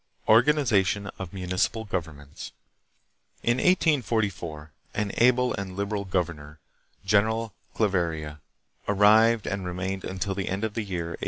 Organization of Municipal Governments. In 1844 an able and liberal governor, General Claveria, arrived, and remained until the end of the year 1849.